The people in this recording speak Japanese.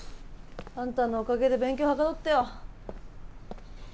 あんたのおかげで勉強はかどったよ。